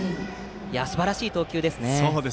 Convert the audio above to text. すばらしい投球ですね。